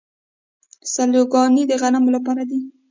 سیلوګانې د غنمو لپاره دي.